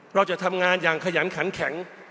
เราจะทำงานอย่างขยันขันแข็ง